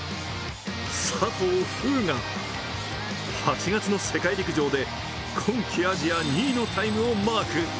佐藤風雅、８月の世界陸上で今季アジア２位のタイムをマーク。